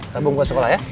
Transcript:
habis buat sekolah ya